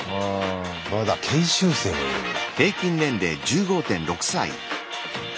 まだ研修生もいるんだ。